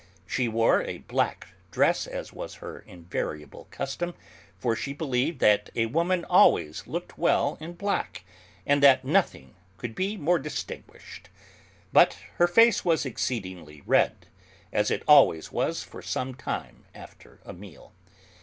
She wore a black dress, as was her invariable custom, for she believed that a woman always looked well in black, and that nothing could be more distinguished; but her face was exceedingly red, as it always was for some time after a meal.